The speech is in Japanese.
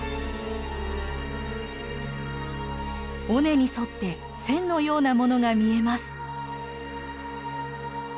尾根に沿って線のようなものが見えます。